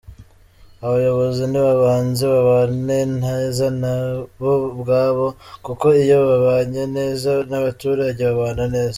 Abayobozi nibabanze babane neza bo ubwabo, kuko iyo babanye neza n’abaturage babana neza.